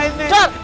cepet kabur dar